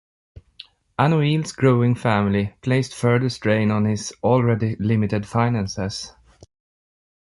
Anouilh's growing family placed further strain on his already limited finances.